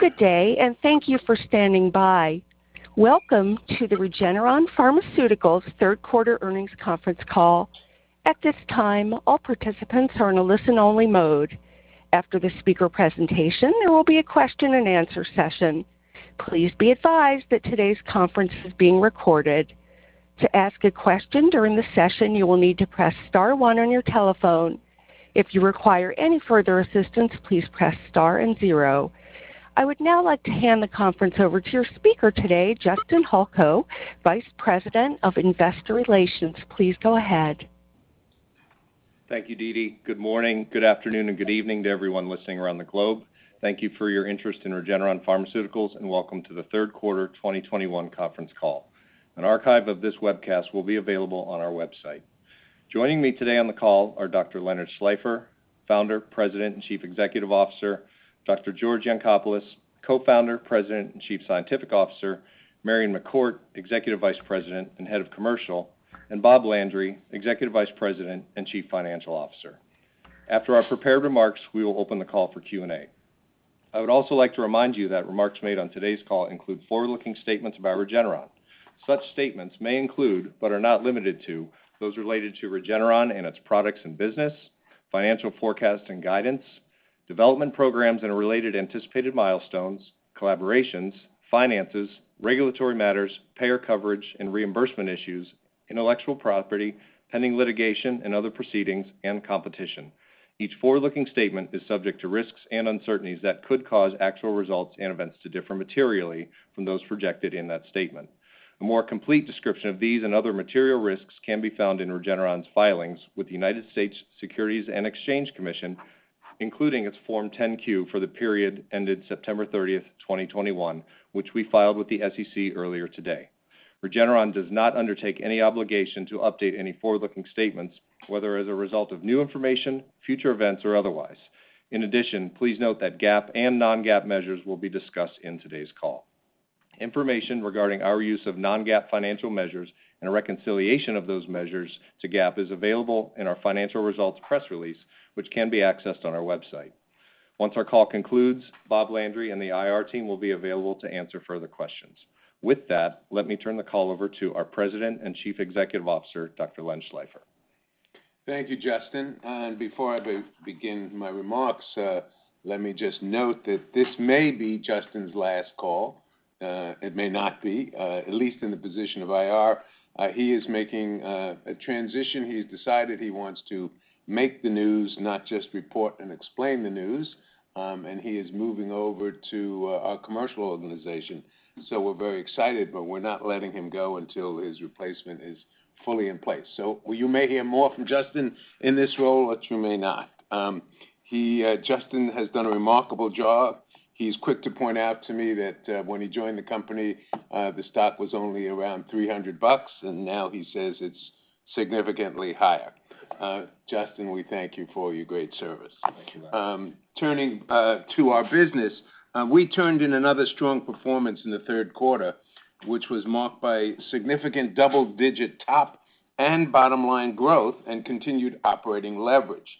Good day, and thank you for standing by. Welcome to the Regeneron Pharmaceuticals third quarter earnings conference call. At this time, all participants are in a listen-only mode. After the speaker presentation, there will be a question and answer session. Please be advised that today's conference is being recorded. To ask a question during the session, you will need to press star one on your telephone. If you require any further assistance, please press star and zero. I would now like to hand the conference over to your speaker today, Justin Holko, Vice President of Investor Relations. Please go ahead. Thank you, Didi. Good morning, good afternoon, and good evening to everyone listening around the globe. Thank you for your interest in Regeneron Pharmaceuticals, and welcome to the third quarter 2021 conference call. An archive of this webcast will be available on our website. Joining me today on the call are Dr. Leonard Schleifer, Founder, President, and Chief Executive Officer, Dr. George Yancopoulos, Co-founder, President, and Chief Scientific Officer, Marion McCourt, Executive Vice President and Head of Commercial, and Bob Landry, Executive Vice President and Chief Financial Officer. After our prepared remarks, we will open the call for Q&A. I would also like to remind you that remarks made on today's call include forward-looking statements by Regeneron. Such statements may include, but are not limited to, those related to Regeneron and its products and business, financial forecast and guidance, development programs and related anticipated milestones, collaborations, finances, regulatory matters, payer coverage and reimbursement issues, intellectual property, pending litigation and other proceedings, and competition. Each forward-looking statement is subject to risks and uncertainties that could cause actual results and events to differ materially from those projected in that statement. A more complete description of these and other material risks can be found in Regeneron's filings with the United States Securities and Exchange Commission, including its Form 10-Q for the period ended September 30, 2021, which we filed with the SEC earlier today. Regeneron does not undertake any obligation to update any forward-looking statements, whether as a result of new information, future events, or otherwise. In addition, please note that GAAP and non-GAAP measures will be discussed in today's call. Information regarding our use of non-GAAP financial measures and a reconciliation of those measures to GAAP is available in our financial results press release, which can be accessed on our website. Once our call concludes, Bob Landry and the IR team will be available to answer further questions. With that, let me turn the call over to our President and Chief Executive Officer, Dr. Len Schleifer. Thank you, Justin. Before I begin my remarks, let me just note that this may be Justin's last call, it may not be, at least in the position of IR. He is making a transition. He's decided he wants to make the news, not just report and explain the news, and he is moving over to our commercial organization. We're very excited, but we're not letting him go until his replacement is fully in place. You may hear more from Justin in this role, but you may not. Justin has done a remarkable job. He's quick to point out to me that when he joined the company, the stock was only around $300, and now he says it's significantly higher. Justin, we thank you for your great service. Thank you. Turning to our business, we turned in another strong performance in the third quarter, which was marked by significant double-digit top and bottom line growth and continued operating leverage.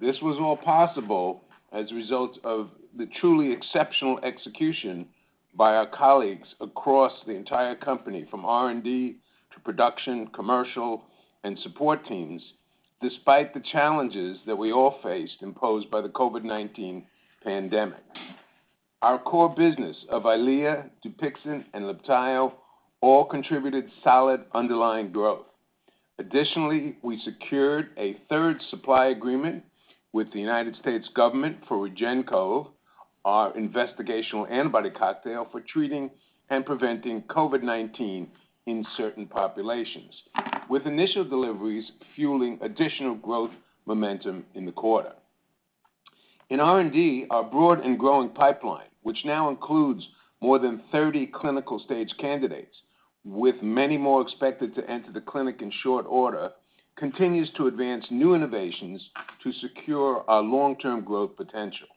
This was all possible as a result of the truly exceptional execution by our colleagues across the entire company, from R&D to production, commercial, and support teams, despite the challenges that we all faced imposed by the COVID-19 pandemic. Our core business of EYLEA, DUPIXENT, and LIBTAYO all contributed solid underlying growth. Additionally, we secured a third supply agreement with the United States government for REGEN-COV, our investigational antibody cocktail for treating and preventing COVID-19 in certain populations, with initial deliveries fueling additional growth momentum in the quarter. In R&D, our broad and growing pipeline, which now includes more than 30 clinical stage candidates, with many more expected to enter the clinic in short order, continues to advance new innovations to secure our long-term growth potential.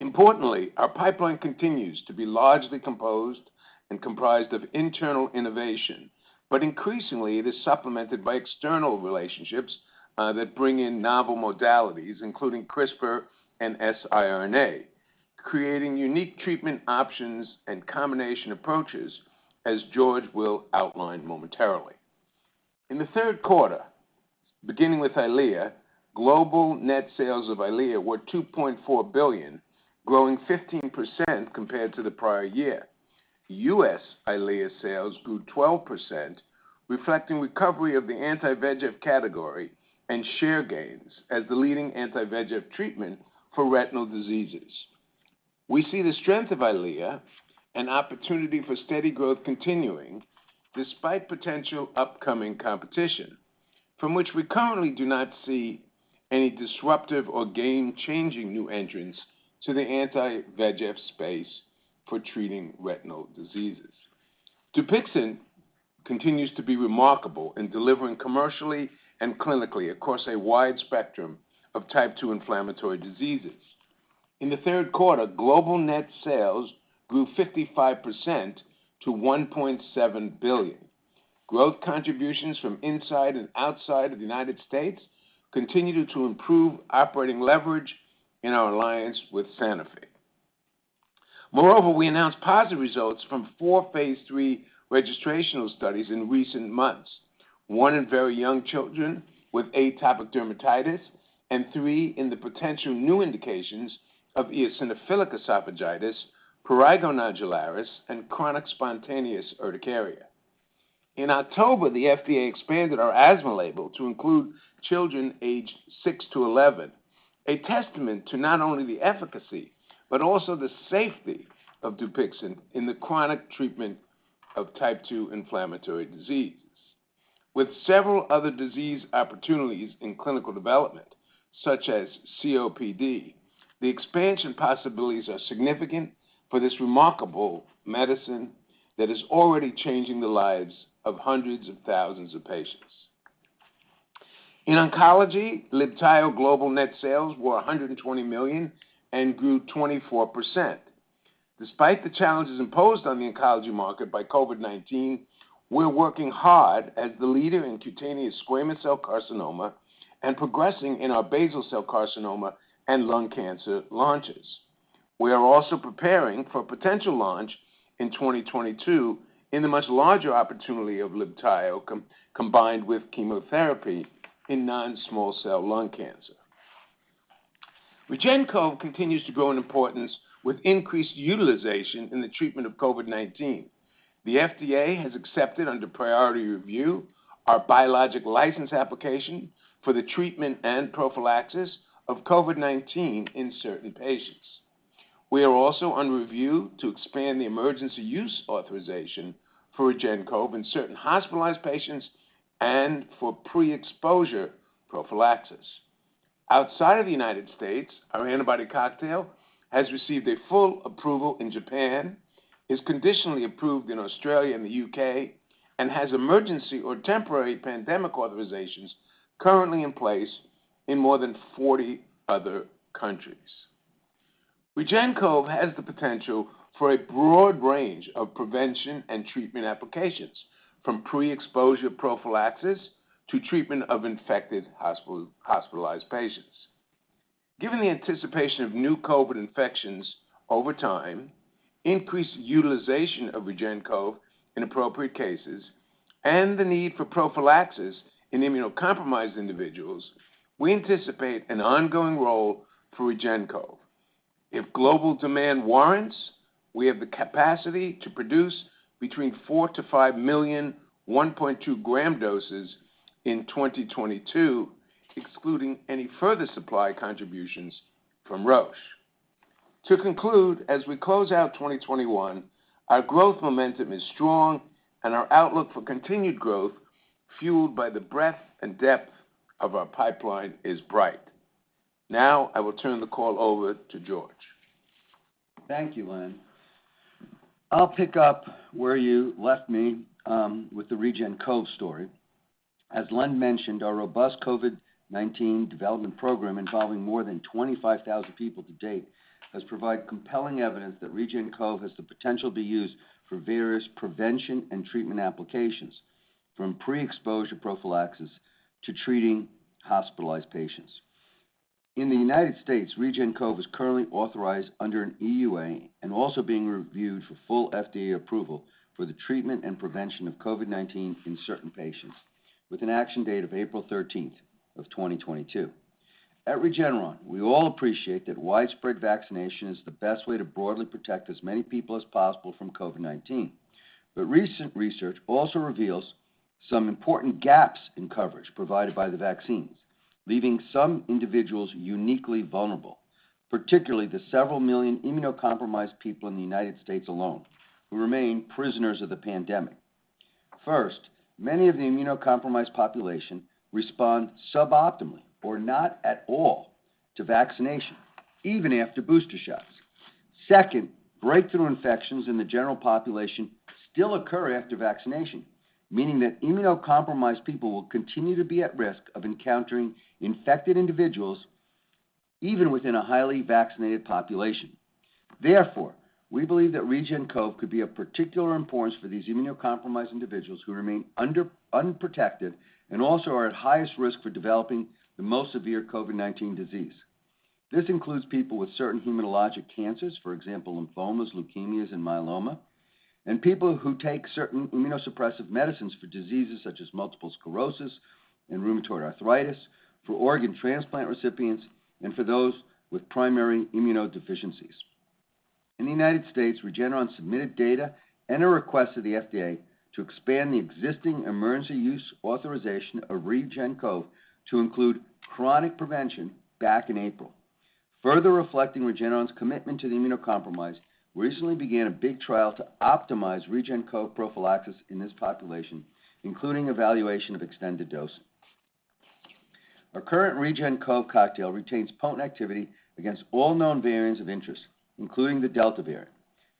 Importantly, our pipeline continues to be largely composed and comprised of internal innovation, but increasingly it is supplemented by external relationships that bring in novel modalities, including CRISPR and siRNA, creating unique treatment options and combination approaches, as George will outline momentarily. In the third quarter, beginning with EYLEA, global net sales of EYLEA were $2.4 billion, growing 15% compared to the prior year. U.S. EYLEA sales grew 12%, reflecting recovery of the anti-VEGF category and share gains as the leading anti-VEGF treatment for retinal diseases. We see the strength of EYLEA, an opportunity for steady growth continuing despite potential upcoming competition from which we currently do not see any disruptive or game-changing new entrants to the anti-VEGF space for treating retinal diseases. DUPIXENT continues to be remarkable in delivering commercially and clinically across a wide spectrum of type two inflammatory diseases. In the third quarter, global net sales grew 55% to $1.7 billion. Growth contributions from inside and outside of the United States continue to improve operating leverage in our alliance with Sanofi. Moreover, we announced positive results from four phase III registrational studies in recent months. One in very young children with atopic dermatitis, and three in the potential new indications of eosinophilic esophagitis, prurigo nodularis, and chronic spontaneous urticaria. In October, the FDA expanded our asthma label to include children aged six to 11, a testament to not only the efficacy, but also the safety of DUPIXENT in the chronic treatment of type two inflammatory diseases. With several other disease opportunities in clinical development, such as COPD, the expansion possibilities are significant for this remarkable medicine that is already changing the lives of hundreds of thousands of patients. In oncology, LIBTAYO global net sales were $120 million and grew 24%. Despite the challenges imposed on the oncology market by COVID-19, we're working hard as the leader in cutaneous squamous cell carcinoma and progressing in our basal cell carcinoma and lung cancer launches. We are also preparing for a potential launch in 2022 in the much larger opportunity of LIBTAYO combined with chemotherapy in non-small cell lung cancer. REGEN-COV continues to grow in importance with increased utilization in the treatment of COVID-19. The FDA has accepted under priority review our biologic license application for the treatment and prophylaxis of COVID-19 in certain patients. We are also on review to expand the emergency use authorization for REGEN-COV in certain hospitalized patients and for pre-exposure prophylaxis. Outside of the United States, our antibody cocktail has received a full approval in Japan, is conditionally approved in Australia and the U.K., and has emergency or temporary pandemic authorizations currently in place in more than 40 other countries. REGEN-COV has the potential for a broad range of prevention and treatment applications, from pre-exposure prophylaxis to treatment of infected hospitalized patients. Given the anticipation of new COVID infections over time, increased utilization of REGEN-COV in appropriate cases, and the need for prophylaxis in immunocompromised individuals, we anticipate an ongoing role for REGEN-COV. If global demand warrants, we have the capacity to produce between $4 million-$5 million 1.2 gram doses in 2022, excluding any further supply contributions from Roche. To conclude, as we close out 2021, our growth momentum is strong, and our outlook for continued growth, fueled by the breadth and depth of our pipeline, is bright. Now, I will turn the call over to George. Thank you, Len. I'll pick up where you left me, with the REGEN-COV story. As Len mentioned, our robust COVID-19 development program, involving more than 25,000 people to date, has provided compelling evidence that REGEN-COV has the potential to be used for various prevention and treatment applications, from pre-exposure prophylaxis to treating hospitalized patients. In the United States, REGEN-COV is currently authorized under an EUA, and also being reviewed for full FDA approval for the treatment and prevention of COVID-19 in certain patients, with an action date of April thirteenth of 2022. At Regeneron, we all appreciate that widespread vaccination is the best way to broadly protect as many people as possible from COVID-19. Recent research also reveals some important gaps in coverage provided by the vaccines, leaving some individuals uniquely vulnerable, particularly the several million immunocompromised people in the United States alone, who remain prisoners of the pandemic. First, many of the immunocompromised population respond suboptimally or not at all to vaccination, even after booster shots. Second, breakthrough infections in the general population still occur after vaccination, meaning that immunocompromised people will continue to be at risk of encountering infected individuals, even within a highly vaccinated population. Therefore, we believe that REGEN-COV could be of particular importance for these immunocompromised individuals who remain underprotected, and also are at highest risk for developing the most severe COVID-19 disease. This includes people with certain hematologic cancers, for example, lymphomas, leukemias, and myeloma, and people who take certain immunosuppressive medicines for diseases such as multiple sclerosis and rheumatoid arthritis, for organ transplant recipients, and for those with primary immunodeficiencies. In the United States, Regeneron submitted data and a request to the FDA to expand the existing emergency use authorization of REGEN-COV to include chronic prevention back in April. Further reflecting Regeneron's commitment to the immunocompromised, we recently began a big trial to optimize REGEN-COV prophylaxis in this population, including evaluation of extended dosing. Our current REGEN-COV cocktail retains potent activity against all known variants of interest, including the Delta variant.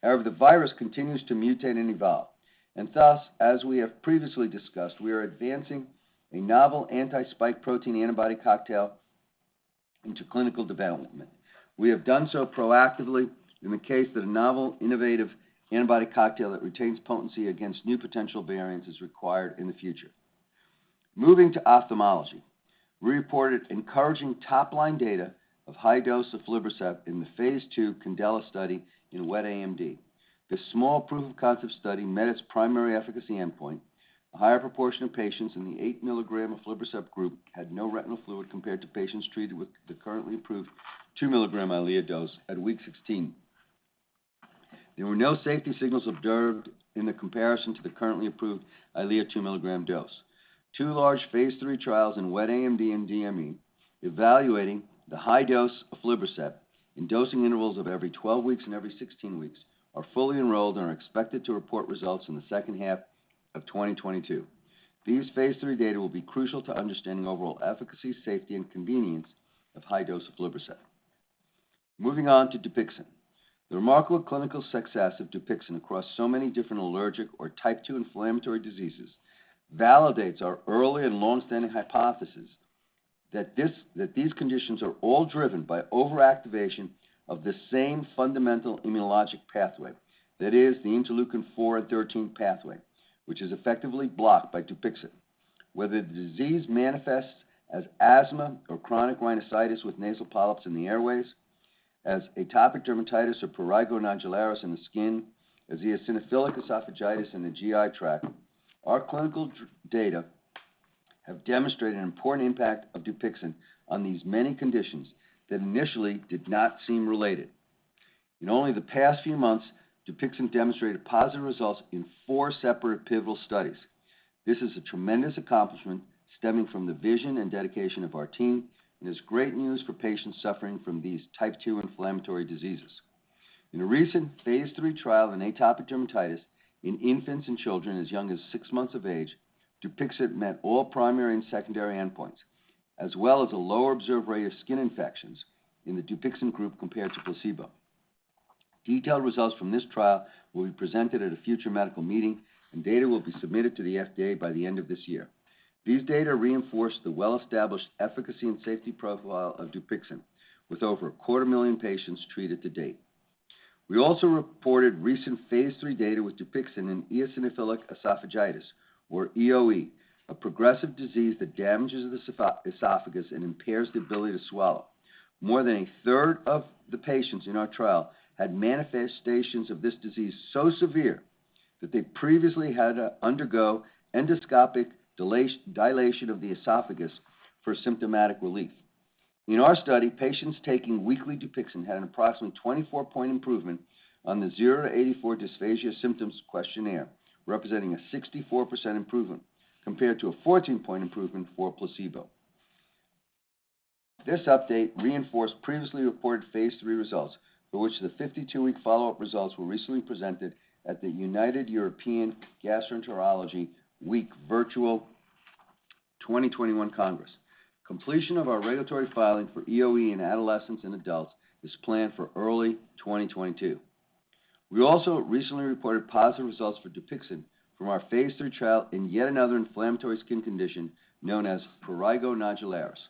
However, the virus continues to mutate and evolve, and thus, as we have previously discussed, we are advancing a novel anti-spike protein antibody cocktail into clinical development. We have done so proactively in the case that a novel innovative antibody cocktail that retains potency against new potential variants is required in the future. Moving to ophthalmology, we reported encouraging top-line data of high-dose aflibercept in the phase II CANDELA study in wet AMD. This small proof-of-concept study met its primary efficacy endpoint. A higher proportion of patients in the 8 mg aflibercept group had no retinal fluid compared to patients treated with the currently approved 2 mg EYLEA dose at week 16. There were no safety signals observed in the comparison to the currently approved EYLEA 2 mg dose. Two large phase III trials in wet AMD and DME evaluating the high-dose aflibercept in dosing intervals of every 12 weeks and every 16 weeks are fully enrolled and are expected to report results in the second half of 2022. These phase III data will be crucial to understanding overall efficacy, safety, and convenience of high-dose aflibercept. Moving on to DUPIXENT. The remarkable clinical success of DUPIXENT across so many different allergic or type two inflammatory diseases validates our early and long-standing hypothesis that these conditions are all driven by overactivation of the same fundamental immunologic pathway. That is the interleukin four and 13 pathway, which is effectively blocked by DUPIXENT. Whether the disease manifests as asthma or chronic rhinosinusitis with nasal polyps in the airways, as atopic dermatitis or prurigo nodularis in the skin, as eosinophilic esophagitis in the GI tract, our clinical data have demonstrated an important impact of DUPIXENT on these many conditions that initially did not seem related. In only the past few months, DUPIXENT demonstrated positive results in four separate pivotal studies. This is a tremendous accomplishment stemming from the vision and dedication of our team and is great news for patients suffering from these type two inflammatory diseases. In a recent phase III trial in atopic dermatitis in infants and children as young as six months of age, DUPIXENT met all primary and secondary endpoints, as well as a lower observed rate of skin infections in the DUPIXENT group compared to placebo. Detailed results from this trial will be presented at a future medical meeting, and data will be submitted to the FDA by the end of this year. These data reinforce the well-established efficacy and safety profile of DUPIXENT with over a quarter million patients treated to date. We also reported recent phase III data with DUPIXENT in eosinophilic esophagitis, or EoE, a progressive disease that damages the esophagus and impairs the ability to swallow. More than a third of the patients in our trial had manifestations of this disease so severe that they previously had to undergo endoscopic dilation of the esophagus for symptomatic relief. In our study, patients taking weekly DUPIXENT had an approximate 24-point improvement on the 0-84 dysphagia symptoms questionnaire, representing a 64% improvement, compared to a 14-point improvement for placebo. This update reinforced previously reported phase III results, for which the 52-week follow-up results were recently presented at the United European Gastroenterology Week Virtual 2021 Congress. Completion of our regulatory filing for EoE in adolescents and adults is planned for early 2022. We also recently reported positive results for DUPIXENT from our phase III trial in yet another inflammatory skin condition known as prurigo nodularis,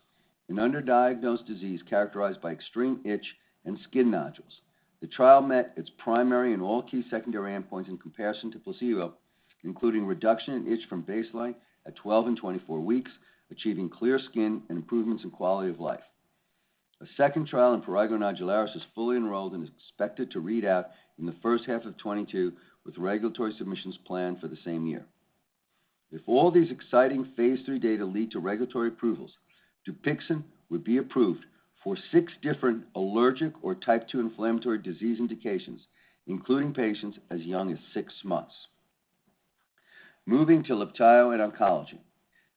an underdiagnosed disease characterized by extreme itch and skin nodules. The trial met its primary and all key secondary endpoints in comparison to placebo, including reduction in itch from baseline at 12 and 24-weeks, achieving clear skin and improvements in quality of life. A second trial in prurigo nodularis is fully enrolled and is expected to read out in the first half of 2022, with regulatory submissions planned for the same year. If all these exciting phase III data lead to regulatory approvals, DUPIXENT would be approved for six different allergic or type two inflammatory disease indications, including patients as young as six months. Moving to LIBTAYO and oncology.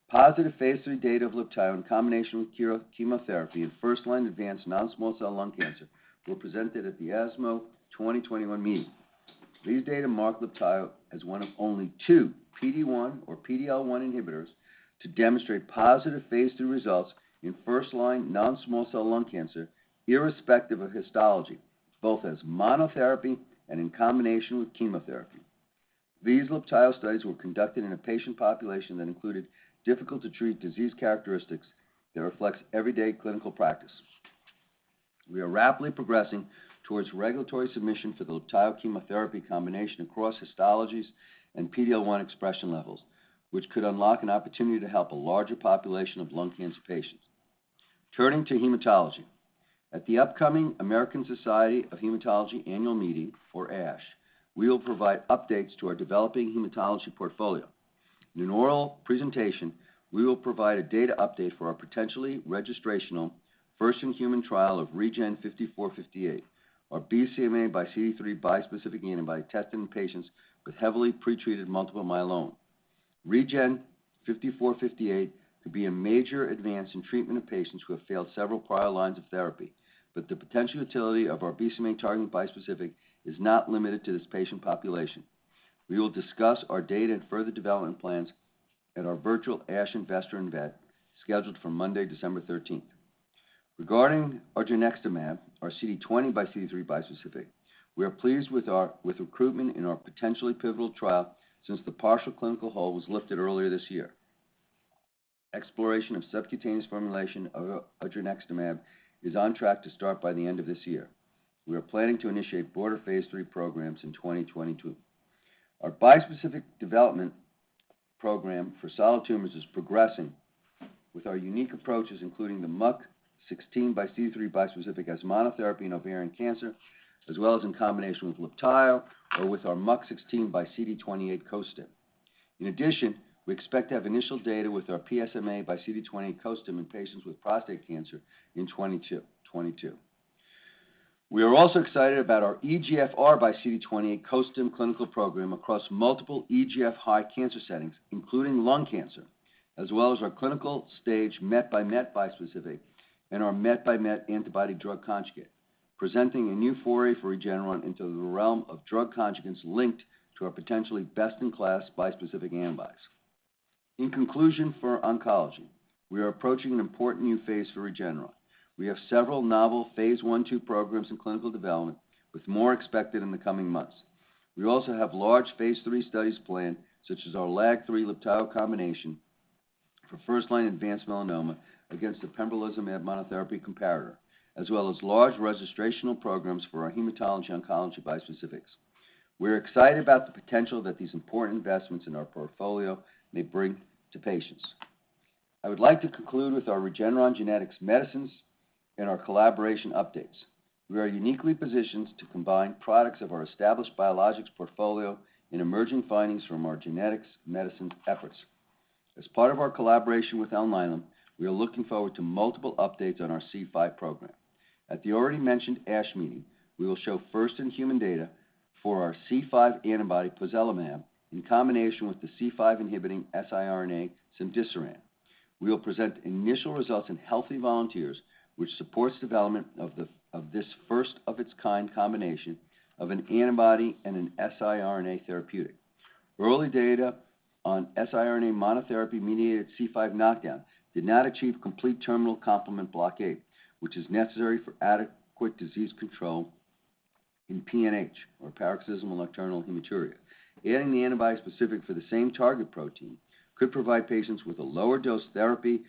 Positive phase III data of LIBTAYO in combination with chemotherapy in first-line advanced non-small cell lung cancer were presented at the ESMO 2021 meeting. These data mark LIBTAYO as one of only two PD-1 or PD-L1 inhibitors to demonstrate positive phase III results in first-line non-small cell lung cancer, irrespective of histology, both as monotherapy and in combination with chemotherapy. These LIBTAYO studies were conducted in a patient population that included difficult to treat disease characteristics that reflects everyday clinical practice. We are rapidly progressing towards regulatory submission for the LIBTAYO chemotherapy combination across histologies and PD-L1 expression levels, which could unlock an opportunity to help a larger population of lung cancer patients. Turning to hematology. At the upcoming American Society of Hematology annual meeting, or ASH, we will provide updates to our developing hematology portfolio. In an oral presentation, we will provide a data update for our potentially registrational first-in-human trial of REGN5458, our BCMAxCD3 bispecific antibody tested in patients with heavily pretreated multiple myeloma. REGN5458 could be a major advance in treatment of patients who have failed several prior lines of therapy, but the potential utility of our BCMA-targeting bispecific is not limited to this patient population. We will discuss our data and further development plans at our virtual ASH investor event scheduled for Monday, December thirteenth. Regarding odronextamab, our CD20xCD3 bispecific, we are pleased with our recruitment in our potentially pivotal trial since the partial clinical hold was lifted earlier this year. Exploration of subcutaneous formulation of odronextamab is on track to start by the end of this year. We are planning to initiate broader phase III programs in 2022. Our bispecific development program for solid tumors is progressing with our unique approaches, including the MUC16xCD3 bispecific as monotherapy in ovarian cancer, as well as in combination with LIBTAYO or with our MUC16xCD28 costim. In addition, we expect to have initial data with our PSMAxCD28 costim in patients with prostate cancer in 2022. We are also excited about our EGFRxCD28 costim clinical program across multiple EGFR high cancer settings, including lung cancer, as well as our clinical stage MET x MET bispecific and our MET x MET antibody drug conjugate, presenting a new foray for Regeneron into the realm of drug conjugates linked to our potentially best-in-class bispecific antibodies. In conclusion for oncology, we are approaching an important new phase for Regeneron. We have several novel phase I/II programs in clinical development with more expected in the coming months. We also have large phase III studies planned, such as our LAG-3 LIBTAYO combination for first-line advanced melanoma against the pembrolizumab monotherapy comparator, as well as large registrational programs for our hematology oncology bispecifics. We're excited about the potential that these important investments in our portfolio may bring to patients. I would like to conclude with our Regeneron Genetic Medicines and our collaboration updates. We are uniquely positioned to combine products of our established biologics portfolio in emerging findings from our genetics medicine efforts. As part of our collaboration with Alnylam, we are looking forward to multiple updates on our C5 program. At the already mentioned ASH meeting, we will show first-in-human data for our C5 antibody, pozelimab, in combination with the C5 inhibiting siRNA, cemdisiran. We will present initial results in healthy volunteers, which supports development of this first-of-its-kind combination of an antibody and an siRNA therapeutic. Early data on siRNA monotherapy-mediated C5 knockdown did not achieve complete terminal complement blockade, which is necessary for adequate disease control in PNH or paroxysmal nocturnal hemoglobinuria. Adding the antibody specific for the same target protein could provide patients with a lower dose therapy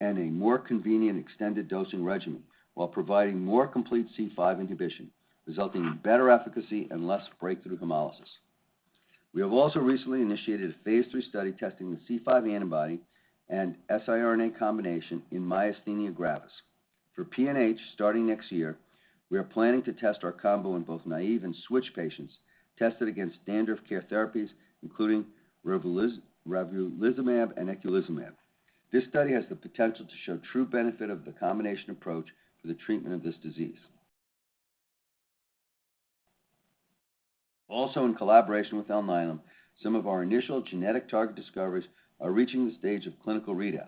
and a more convenient extended dosing regimen while providing more complete C5 inhibition, resulting in better efficacy and less breakthrough hemolysis. We have also recently initiated a phase III study testing the C5 antibody and siRNA combination in myasthenia gravis. For PNH, starting next year, we are planning to test our combo in both naive and switch patients tested against standard of care therapies, including ravulizumab and eculizumab. This study has the potential to show true benefit of the combination approach for the treatment of this disease. Also, in collaboration with Alnylam, some of our initial genetic target discoveries are reaching the stage of clinical readouts.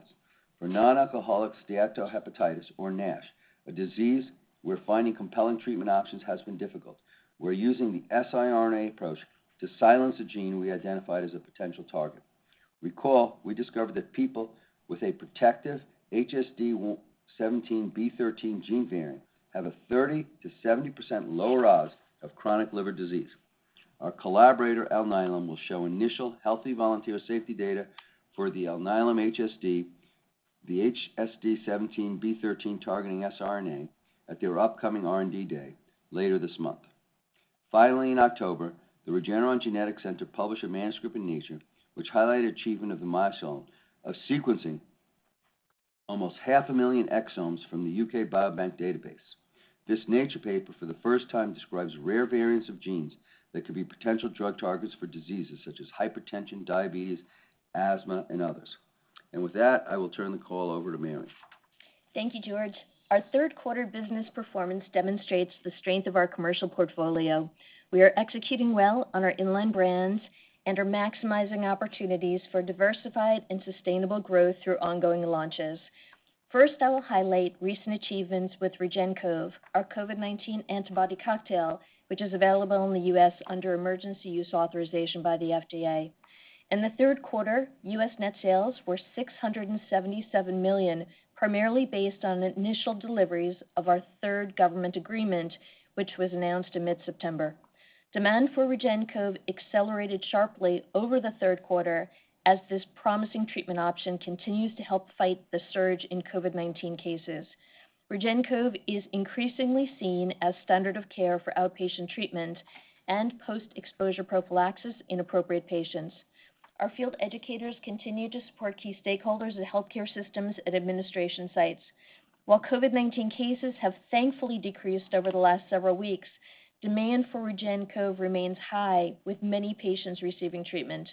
For non-alcoholic steatohepatitis or NASH, a disease where finding compelling treatment options has been difficult, we're using the siRNA approach to silence a gene we identified as a potential target. Recall we discovered that people with a protective HSD17B13 gene variant have a 30%-70% lower odds of chronic liver disease. Our collaborator, Alnylam, will show initial healthy volunteer safety data for the Alnylam HSD, the HSD17B13 targeting siRNA at their upcoming R&D day later this month. Finally, in October, the Regeneron Genetics Center published a manuscript in Nature, which highlighted achievement of the milestone of sequencing almost 500,000 exomes from the UK Biobank database. This Nature paper for the first time describes rare variants of genes that could be potential drug targets for diseases such as hypertension, diabetes, asthma, and others. With that, I will turn the call over to Marion. Thank you, George. Our third quarter business performance demonstrates the strength of our commercial portfolio. We are executing well on our in-line brands and are maximizing opportunities for diversified and sustainable growth through ongoing launches. First, I will highlight recent achievements with REGEN-COV, our COVID-19 antibody cocktail, which is available in the U.S. under Emergency Use Authorization by the FDA. In the third quarter, U.S. net sales were $677 million, primarily based on initial deliveries of our third government agreement, which was announced in mid-September. Demand for REGEN-COV accelerated sharply over the third quarter as this promising treatment option continues to help fight the surge in COVID-19 cases. REGEN-COV is increasingly seen as standard of care for outpatient treatment and post-exposure prophylaxis in appropriate patients. Our field educators continue to support key stakeholders and healthcare systems at administration sites. While COVID-19 cases have thankfully decreased over the last several weeks, demand for REGEN-COV remains high with many patients receiving treatment.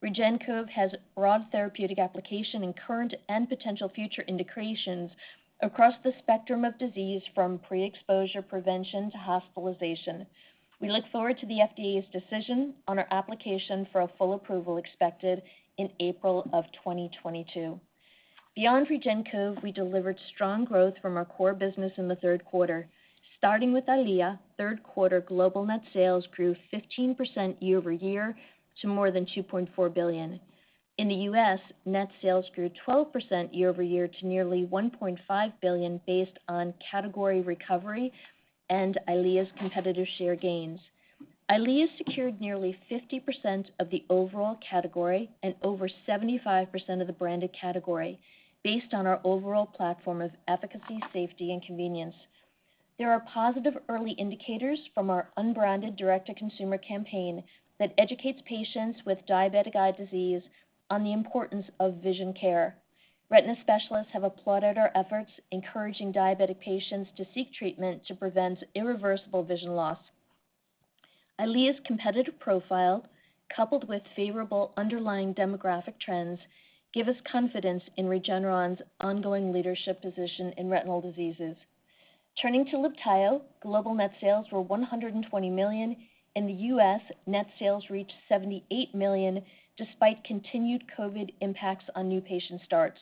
REGEN-COV has broad therapeutic application in current and potential future indications across the spectrum of disease from pre-exposure prevention to hospitalization. We look forward to the FDA's decision on our application for a full approval expected in April of 2022. Beyond REGEN-COV, we delivered strong growth from our core business in the third quarter. Starting with EYLEA, third quarter global net sales grew 15% year-over-year to more than $2.4 billion. In the U.S., net sales grew 12% year-over-year to nearly $1.5 billion based on category recovery and EYLEA's competitor share gains. EYLEA secured nearly 50% of the overall category and over 75% of the branded category based on our overall platform of efficacy, safety, and convenience. There are positive early indicators from our unbranded direct-to-consumer campaign that educates patients with diabetic eye disease on the importance of vision care. Retina specialists have applauded our efforts encouraging diabetic patients to seek treatment to prevent irreversible vision loss. EYLEA's competitive profile, coupled with favorable underlying demographic trends, give us confidence in Regeneron's ongoing leadership position in retinal diseases. Turning to LIBTAYO, global net sales were $120 million. In the US, net sales reached $78 million despite continued COVID impacts on new patient starts.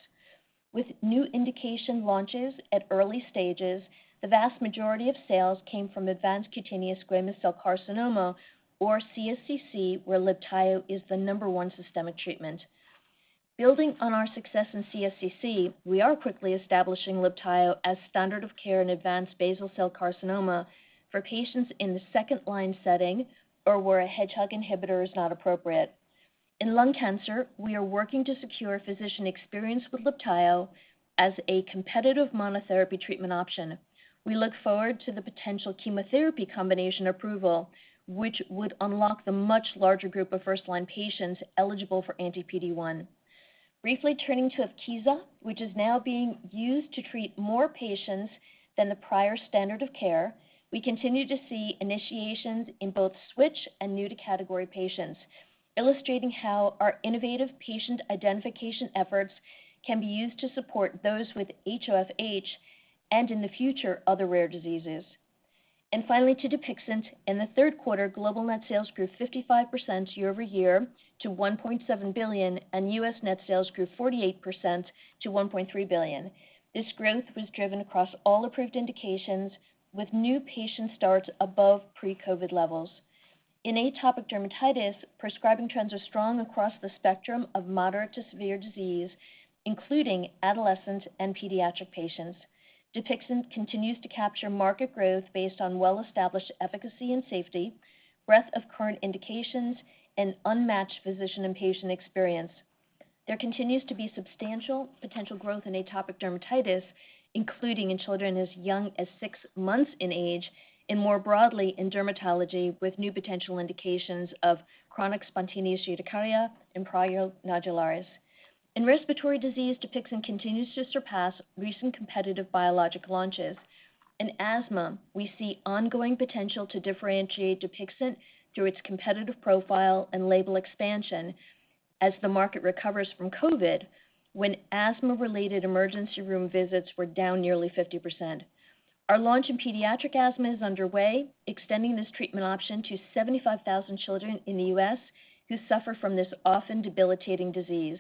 With new indication launches at early stages, the vast majority of sales came from advanced cutaneous squamous cell carcinoma, or CSCC, where LIBTAYO is the number one systemic treatment. Building on our success in CSCC, we are quickly establishing LIBTAYO as standard of care in advanced basal cell carcinoma for patients in the second-line setting or where a Hedgehog inhibitor is not appropriate. In lung cancer, we are working to secure physician experience with LIBTAYO as a competitive monotherapy treatment option. We look forward to the potential chemotherapy combination approval, which would unlock the much larger group of first-line patients eligible for anti-PD-1. Briefly turning to Evkeeza, which is now being used to treat more patients than the prior standard of care, we continue to see initiations in both switch and new-to-category patients, illustrating how our innovative patient identification efforts can be used to support those with HoFH and, in the future, other rare diseases. Finally, to DUPIXENT. In the third quarter, global net sales grew 55% year-over-year to $1.7 billion, and U.S. net sales grew 48% to $1.3 billion. This growth was driven across all approved indications, with new patient starts above pre-COVID levels. In atopic dermatitis, prescribing trends are strong across the spectrum of moderate to severe disease, including adolescents and pediatric patients. DUPIXENT continues to capture market growth based on well-established efficacy and safety, breadth of current indications, and unmatched physician and patient experience. There continues to be substantial potential growth in atopic dermatitis, including in children as young as six months in age, and more broadly in dermatology with new potential indications of chronic spontaneous urticaria and prurigo nodularis. In respiratory disease, DUPIXENT continues to surpass recent competitive biologic launches. In asthma, we see ongoing potential to differentiate DUPIXENT through its competitive profile and label expansion as the market recovers from COVID, when asthma-related emergency room visits were down nearly 50%. Our launch in pediatric asthma is underway, extending this treatment option to 75,000 children in the U.S. who suffer from this often debilitating disease.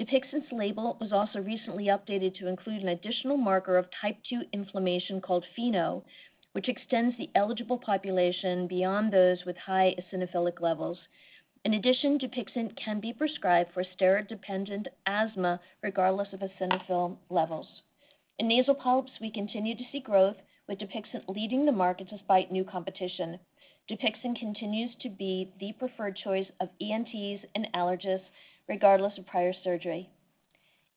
DUPIXENT's label was also recently updated to include an additional marker of type two inflammation called FeNO, which extends the eligible population beyond those with high eosinophilic levels. In addition, DUPIXENT can be prescribed for steroid-dependent asthma regardless of eosinophil levels. In nasal polyps, we continue to see growth, with DUPIXENT leading the market despite new competition. DUPIXENT continues to be the preferred choice of ENTs and allergists, regardless of prior surgery.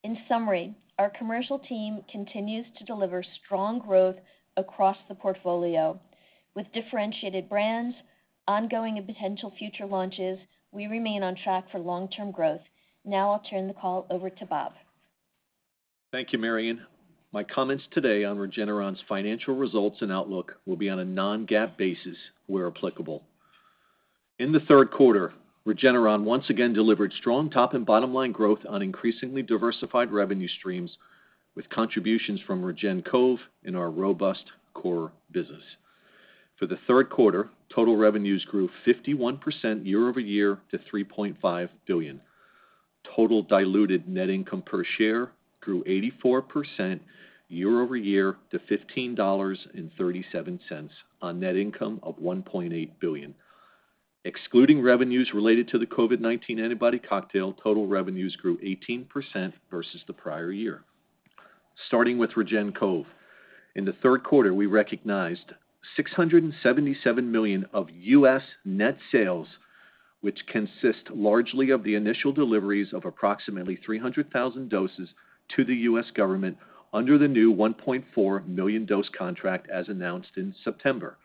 In summary, our commercial team continues to deliver strong growth across the portfolio. With differentiated brands, ongoing and potential future launches, we remain on track for long-term growth. Now I'll turn the call over to Bob. Thank you, Marion. My comments today on Regeneron's financial results and outlook will be on a non-GAAP basis where applicable. In the third quarter, Regeneron once again delivered strong top and bottom line growth on increasingly diversified revenue streams, with contributions from REGEN-COV and our robust core business. For the third quarter, total revenues grew 51% year-over-year to $3.5 billion. Total diluted net income per share grew 84% year-over-year to $15.37 on net income of $1.8 billion. Excluding revenues related to the COVID-19 antibody cocktail, total revenues grew 18% versus the prior year. Starting with REGEN-COV, in the third quarter, we recognized $677 million of U.S. net sales, which consist largely of the initial deliveries of approximately 300,000 doses to the U.S. government under the new 1.4 million dose contract as announced in September.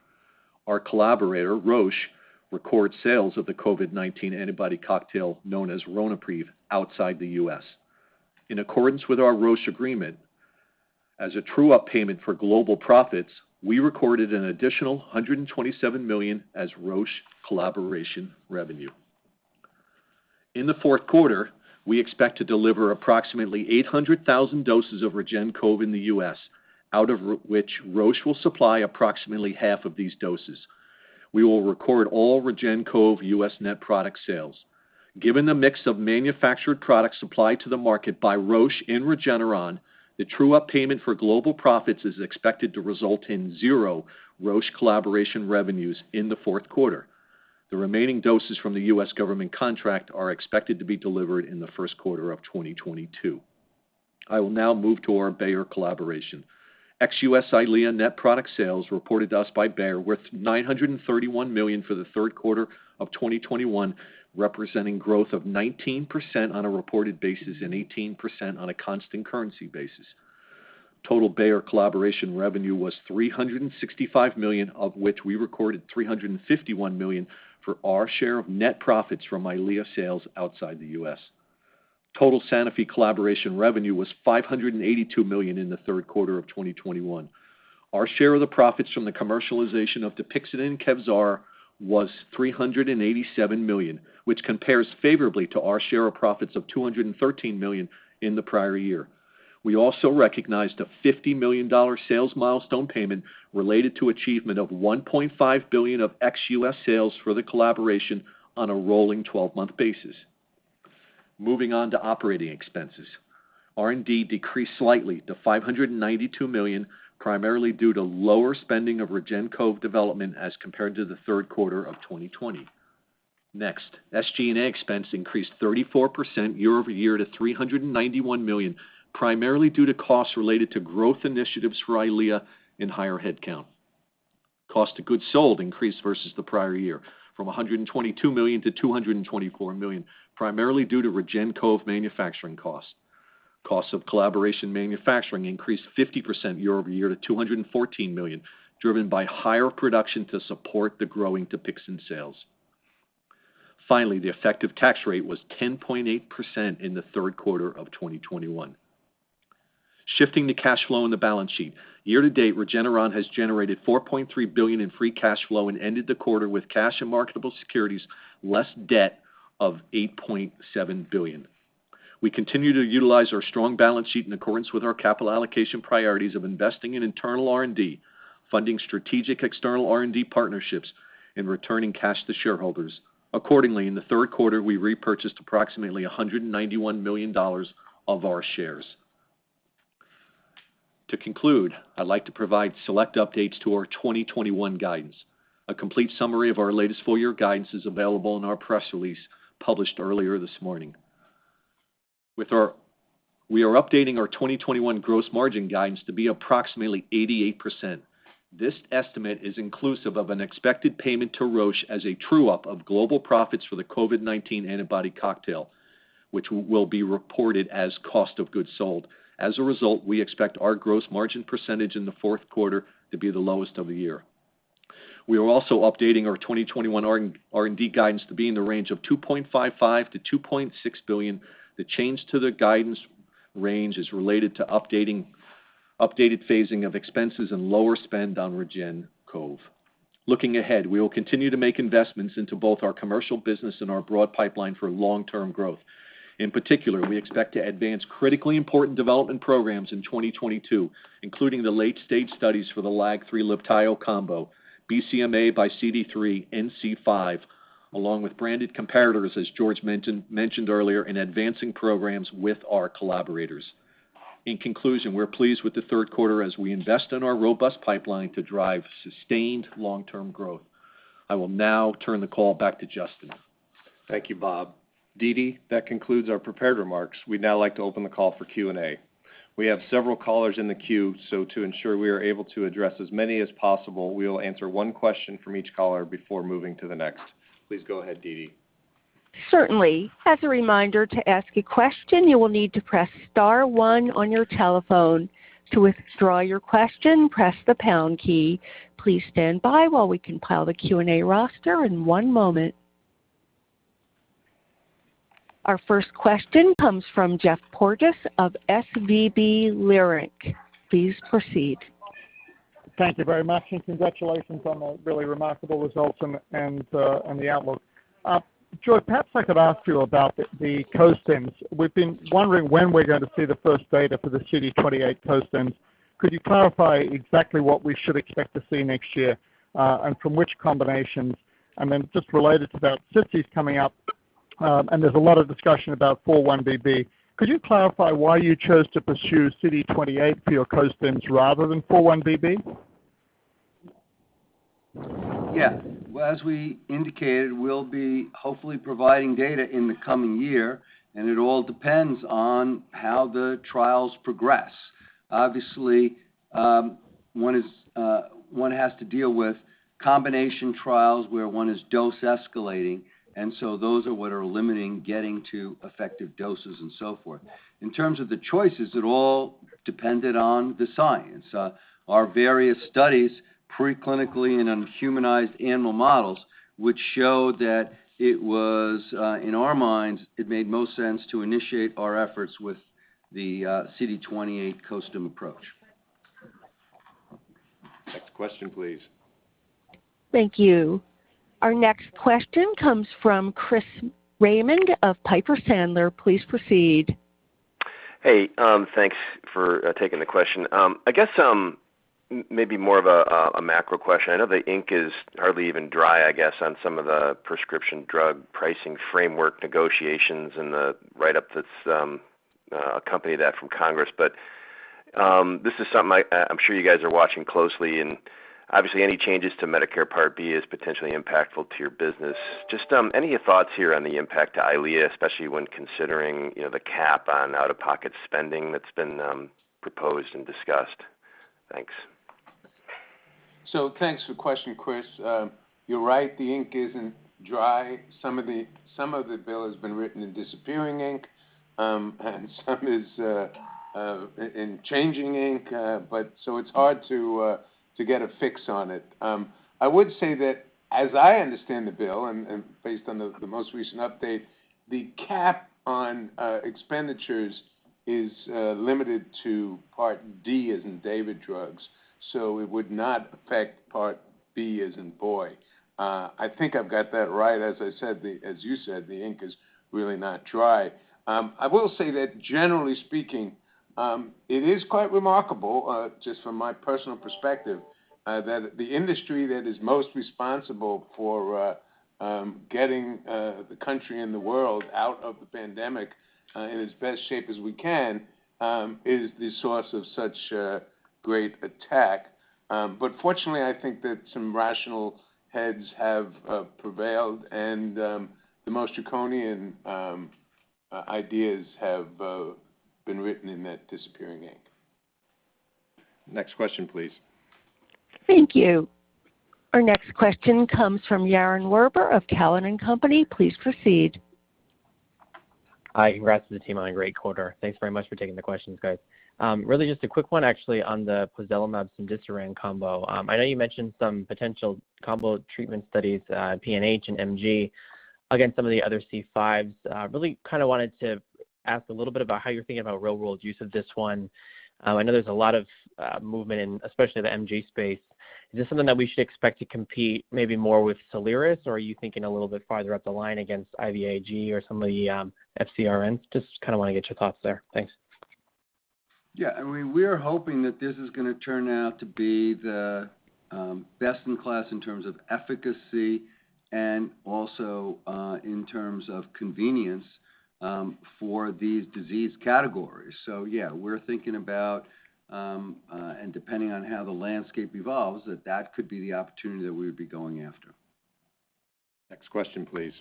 Our collaborator, Roche, records sales of the COVID-19 antibody cocktail known as Ronapreve outside the U.S. In accordance with our Roche agreement, as a true-up payment for global profits, we recorded an additional $127 million as Roche collaboration revenue. In the fourth quarter, we expect to deliver approximately 800,000 doses of REGEN-COV in the U.S., out of which Roche will supply approximately half of these doses. We will record all REGEN-COV U.S. net product sales. Given the mix of manufactured products supplied to the market by Roche and Regeneron, the true-up payment for global profits is expected to result in zero Roche collaboration revenues in the fourth quarter. The remaining doses from the U.S. government contract are expected to be delivered in the first quarter of 2022. I will now move to our Bayer collaboration. Ex-U.S. EYLEA net product sales reported to us by Bayer were $931 million for the third quarter of 2021, representing growth of 19% on a reported basis and 18% on a constant currency basis. Total Bayer collaboration revenue was $365 million, of which we recorded $351 million for our share of net profits from EYLEA sales outside the U.S. Total Sanofi collaboration revenue was $582 million in the third quarter of 2021. Our share of the profits from the commercialization of DUPIXENT and Kevzara was $387 million, which compares favorably to our share of profits of $213 million in the prior year. We also recognized a $50 million sales milestone payment related to achievement of $1.5 billion of ex-US sales for the collaboration on a rolling 12-month basis. Moving on to operating expenses. R&D decreased slightly to $592 million, primarily due to lower spending of REGEN-COV development as compared to the third quarter of 2020. Next, SG&A expense increased 34% year-over-year to $391 million, primarily due to costs related to growth initiatives for EYLEA and higher headcount. Cost of goods sold increased versus the prior year from $122 million-$224 million, primarily due to REGEN-COV manufacturing costs. Cost of collaboration manufacturing increased 50% year-over-year to $214 million, driven by higher production to support the growing DUPIXENT sales. Finally, the effective tax rate was 10.8% in the third quarter of 2021. Shifting to cash flow and the balance sheet. Year to date, Regeneron has generated $4.3 billion in free cash flow and ended the quarter with cash and marketable securities less debt of $8.7 billion. We continue to utilize our strong balance sheet in accordance with our capital allocation priorities of investing in internal R&D, funding strategic external R&D partnerships, and returning cash to shareholders. Accordingly, in the third quarter, we repurchased approximately $191 million of our shares. To conclude, I'd like to provide select updates to our 2021 guidance. A complete summary of our latest full year guidance is available in our press release published earlier this morning. We are updating our 2021 gross margin guidance to be approximately 88%. This estimate is inclusive of an expected payment to Roche as a true-up of global profits for the COVID-19 antibody cocktail, which will be reported as cost of goods sold. As a result, we expect our gross margin percentage in the fourth quarter to be the lowest of the year. We are also updating our 2021 R&D guidance to be in the range of $2.55 billion-$2.6 billion. The change to the guidance range is related to updated phasing of expenses and lower spend on REGEN-COV. Looking ahead, we will continue to make investments into both our commercial business and our broad pipeline for long-term growth. In particular, we expect to advance critically important development programs in 2022, including the late-stage studies for the LAG-3 LIBTAYO combo, BCMAxCD3 and C5, along with branded comparators, as George mentioned earlier, and advancing programs with our collaborators. In conclusion, we're pleased with the third quarter as we invest in our robust pipeline to drive sustained long-term growth. I will now turn the call back to Justin. Thank you, Bob. Didi, that concludes our prepared remarks. We'd now like to open the call for Q&A. We have several callers in the queue, so to ensure we are able to address as many as possible, we will answer one question from each caller before moving to the next. Please go ahead, Didi. Certainly. As a reminder, to ask a question, you will need to press star one on your telephone. To withdraw your question, press the pound key. Please stand by while we compile the Q&A roster in one moment. Our first question comes from Geoffrey Porges of SVB Leerink. Please proceed. Thank you very much, and congratulations on the really remarkable results and the outlook. George, perhaps I could ask you about the costims. We've been wondering when we're going to see the first data for the CD28 costims. Could you clarify exactly what we should expect to see next year, and from which combinations? Just related to that, SITC's coming up, and there's a lot of discussion about 4-1BB. Could you clarify why you chose to pursue CD28 for your costims rather than 4-1BB? Yeah. Well, as we indicated, we'll be hopefully providing data in the coming year, and it all depends on how the trials progress. Obviously, one has to deal with combination trials where one is dose escalating, and so those are what are limiting getting to effective doses and so forth. In terms of the choices, it all depended on the science. Our various studies preclinically and on humanized animal models, which show that it was in our minds, it made most sense to initiate our efforts with the CD28 costim approach. Next question, please. Thank you. Our next question comes from Chris Raymond of Piper Sandler. Please proceed. Hey, thanks for taking the question. I guess, maybe more of a macro question. I know the ink is hardly even dry, I guess, on some of the prescription drug pricing framework negotiations and the write-up that's accompanying that from Congress, but, This is something I'm sure you guys are watching closely, and obviously any changes to Medicare Part B is potentially impactful to your business. Just, any thoughts here on the impact to EYLEA, especially when considering, you know, the cap on out-of-pocket spending that's been, proposed and discussed? Thanks. Thanks for the question, Chris. You're right, the ink isn't dry. Some of the bill has been written in disappearing ink, and some is in changing ink. It's hard to get a fix on it. I would say that as I understand the bill and based on the most recent update, the cap on expenditures is limited to Part D, as in David, drugs, so it would not affect Part B, as in boy. I think I've got that right. As I said, as you said, the ink is really not dry. I will say that generally speaking, it is quite remarkable, just from my personal perspective, that the industry that is most responsible for getting the country and the world out of the pandemic in as best shape as we can is the source of such a great attack. Fortunately, I think that some rational heads have prevailed and the most draconian ideas have been written in that disappearing ink. Next question, please. Thank you. Our next question comes from Yaron Werber of Cowen and Company. Please proceed. Hi. Congrats to the team on a great quarter. Thanks very much for taking the questions, guys. Really just a quick one actually on the pozelimab and cemdisiran combo. I know you mentioned some potential combo treatment studies, PNH and MG against some of the other C5s. Really kind of wanted to ask a little bit about how you're thinking about real-world use of this one. I know there's a lot of movement in especially the MG space. Is this something that we should expect to compete maybe more with Soliris, or are you thinking a little bit farther up the line against IVIG or some of the FcRns? Just kind of wanna get your thoughts there. Thanks. Yeah, I mean, we are hoping that this is gonna turn out to be the best in class in terms of efficacy and also in terms of convenience for these disease categories. So yeah, we're thinking about and depending on how the landscape evolves, that could be the opportunity that we would be going after. Next question, please.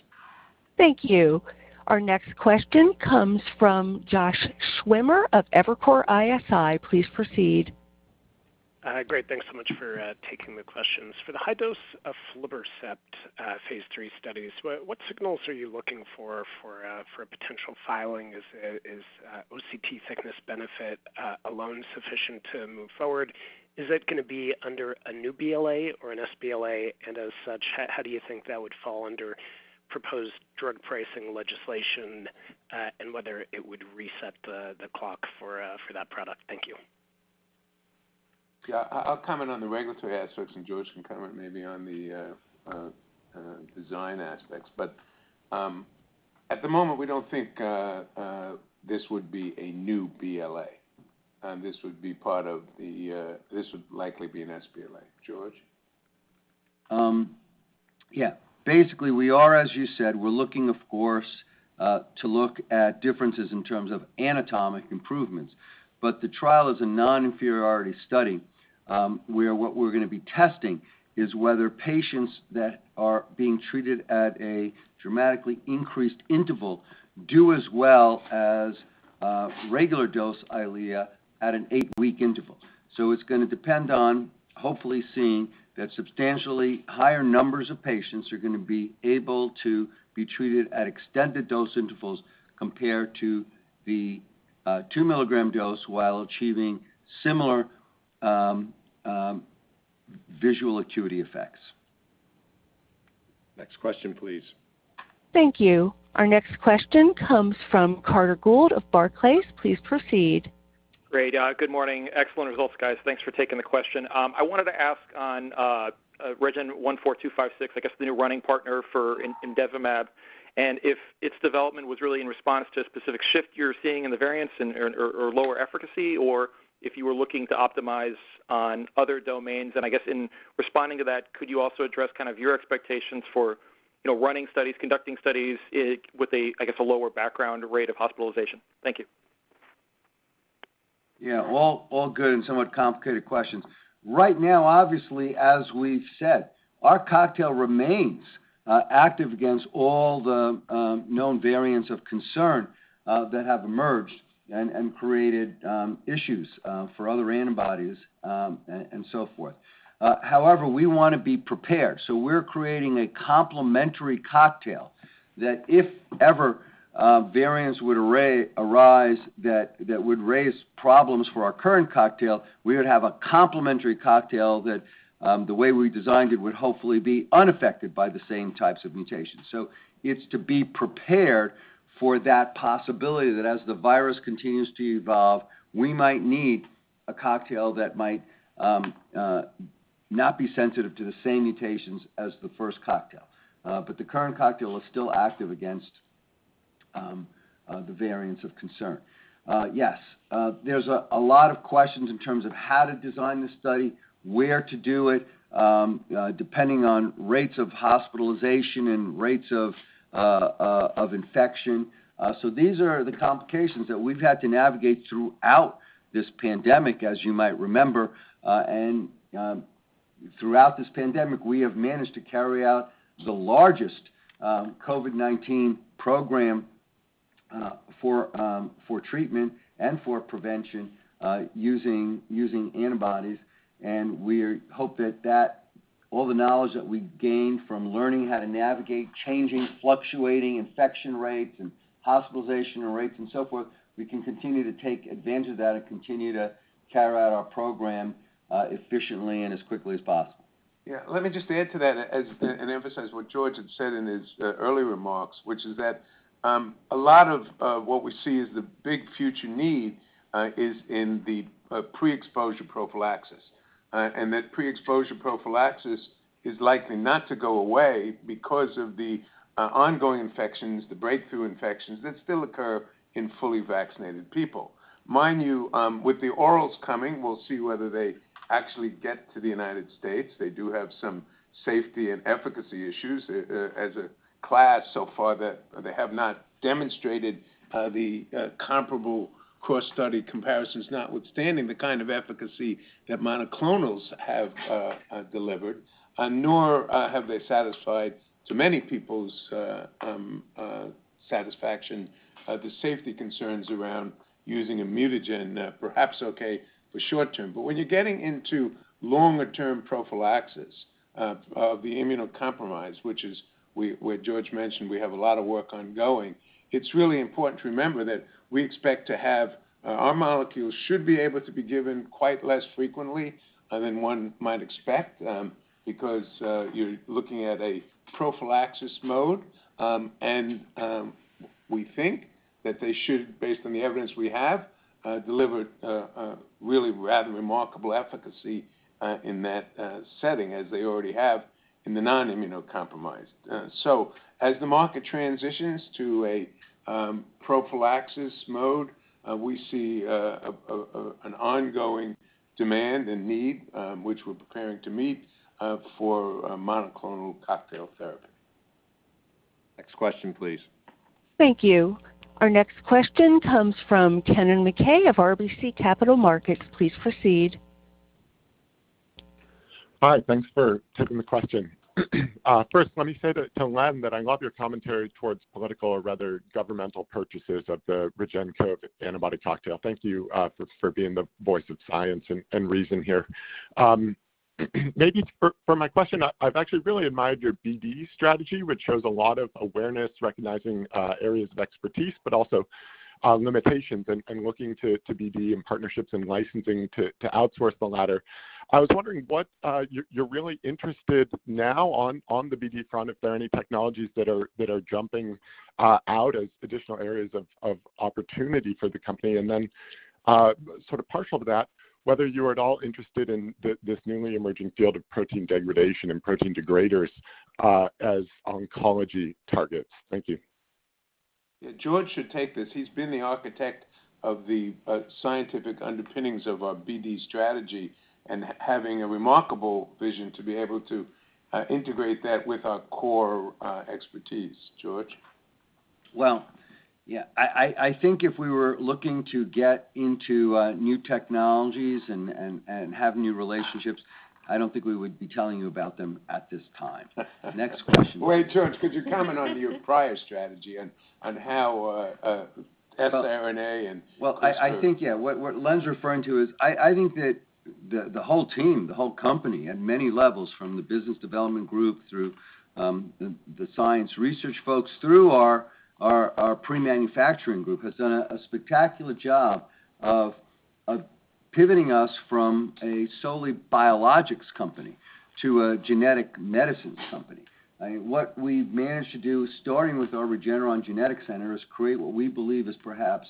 Thank you. Our next question comes from Josh Schimmer of Evercore ISI. Please proceed. Great. Thanks so much for taking the questions. For the high dose of aflibercept, phase III studies, what signals are you looking for a potential filing? Is OCT thickness benefit alone sufficient to move forward? Is that gonna be under a new BLA or an sBLA? As such, how do you think that would fall under proposed drug pricing legislation, and whether it would reset the clock for that product? Thank you. Yeah. I'll comment on the regulatory aspects, and George can comment maybe on the design aspects. At the moment, we don't think this would be a new BLA. This would likely be an sBLA. George? Yeah. Basically, we are, as you said, we're looking, of course, to look at differences in terms of anatomic improvements. The trial is a non-inferiority study, where what we're gonna be testing is whether patients that are being treated at a dramatically increased interval do as well as, regular dose EYLEA at an 8-week interval. It's gonna depend on hopefully seeing that substantially higher numbers of patients are gonna be able to be treated at extended dose intervals compared to the, 2 mg dose while achieving similar, visual acuity effects. Next question, please. Thank you. Our next question comes from Carter Gould of Barclays. Please proceed. Great. Good morning. Excellent results, guys. Thanks for taking the question. I wanted to ask on REGN14256, I guess, the new running mate for imdevimab, and if its development was really in response to a specific shift you're seeing in the variants and or lower efficacy, or if you were looking to optimize on other domains. I guess in responding to that, could you also address kind of your expectations for, you know, running studies, conducting studies with a, I guess, a lower background rate of hospitalization? Thank you. Yeah. All good and somewhat complicated questions. Right now, obviously, as we've said, our cocktail remains active against all the known variants of concern that have emerged and created issues for other antibodies and so forth. However, we wanna be prepared, so we're creating a complementary cocktail that if ever variants would arise that would raise problems for our current cocktail, we would have a complementary cocktail that the way we designed it, would hopefully be unaffected by the same types of mutations. It's to be prepared for that possibility that as the virus continues to evolve, we might need a cocktail that might not be sensitive to the same mutations as the first cocktail. The current cocktail is still active against the variants of concern. Yes, there's a lot of questions in terms of how to design the study, where to do it, depending on rates of hospitalization and rates of infection. These are the complications that we've had to navigate throughout this pandemic, as you might remember. Throughout this pandemic, we have managed to carry out the largest COVID-19 program for treatment and for prevention using antibodies. We hope that all the knowledge that we gained from learning how to navigate changing fluctuating infection rates and hospitalization rates and so forth, we can continue to take advantage of that and continue to carry out our program efficiently and as quickly as possible. Yeah. Let me just add to that as, and emphasize what George had said in his early remarks, which is that a lot of what we see as the big future need is in the pre-exposure prophylaxis. And that pre-exposure prophylaxis is likely not to go away because of the ongoing infections, the breakthrough infections that still occur in fully vaccinated people. Mind you, with the orals coming, we'll see whether they actually get to the United States. They do have some safety and efficacy issues as a class so far that they have not demonstrated the comparable cross study comparisons, notwithstanding the kind of efficacy that monoclonals have delivered, nor have they satisfied to many people's satisfaction the safety concerns around using a mutagen. Perhaps okay for short term, but when you're getting into longer-term prophylaxis of the immunocompromised, which is where George mentioned we have a lot of work ongoing, it's really important to remember that we expect to have our molecules should be able to be given quite less frequently than one might expect, because you're looking at a prophylaxis mode. We think that they should, based on the evidence we have, delivered a really rather remarkable efficacy in that setting as they already have in the non-immunocompromised. So as the market transitions to a prophylaxis mode, we see an ongoing demand and need, which we're preparing to meet, for a monoclonal cocktail therapy. Next question, please. Thank you. Our next question comes from Kennen MacKay of RBC Capital Markets. Please proceed. Hi. Thanks for taking the question. First, let me say to Len that I love your commentary towards political or rather governmental purchases of the REGEN-COV antibody cocktail. Thank you for being the voice of science and reason here. Maybe for my question, I've actually really admired your BD strategy, which shows a lot of awareness, recognizing areas of expertise, but also limitations and looking to BD and partnerships and licensing to outsource the latter. I was wondering what you're really interested now on the BD front, if there are any technologies that are jumping out as additional areas of opportunity for the company? Sort of partial to that, whether you are at all interested in this newly emerging field of protein degradation and protein degraders, as oncology targets? Thank you. Yeah, George should take this. He's been the architect of the scientific underpinnings of our BD strategy and having a remarkable vision to be able to integrate that with our core expertise. George? Well, yeah. I think if we were looking to get into new technologies and have new relationships, I don't think we would be telling you about them at this time. Next question. Wait, George, could you comment on your prior strategy and on how siRNA and CRISPR? Well, I think, yeah. What Len's referring to is I think that the whole team, the whole company at many levels, from the business development group through the science research folks through our pre-manufacturing group, has done a spectacular job of pivoting us from a solely biologics company to a genetic medicine company. I mean, what we've managed to do, starting with our Regeneron Genetics Center, is create what we believe is perhaps